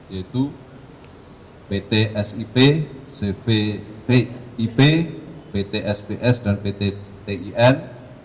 yaitu pt sip cv ip pt sps dan pt tin